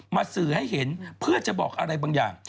สื่อให้เห็นเพื่อจะบอกอะไรบางอย่าง